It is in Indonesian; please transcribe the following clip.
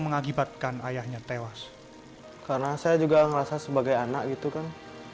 mengakibatkan ayahnya tewas karena saya juga merasa sebagai anak gitu kan